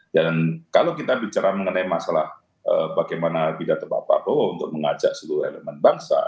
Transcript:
dan kalau kita bicara mengenai masalah bagaimana pidato pak prabowo untuk mengajak seluruh elemen bangsa